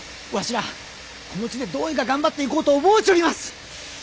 らあこの地でどうにか頑張っていこうと思うちょります。